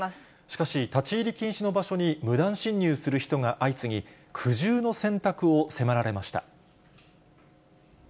しかし、立ち入り禁止の場所に無断侵入する人が相次ぎ、苦渋の選択を迫られました。